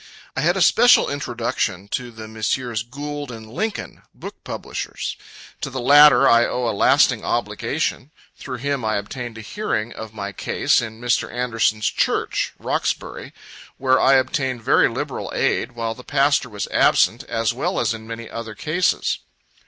I had a special introduction to the Messrs. Gould and Lincoln, book publishers. To the latter, I owe a lasting obligation. Through him I obtained a hearing of my case in Mr. Anderson's church, Roxbury, where I obtained very liberal aid, while the pastor was absent, as well as in many other cases.